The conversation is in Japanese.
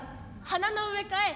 花の植え替え